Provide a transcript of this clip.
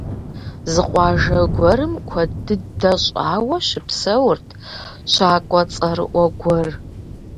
Зы къуажэ гуэрым куэд дыдэ щӀауэ щыпсэурт щакӀуэ цӀэрыӀуэ гуэр.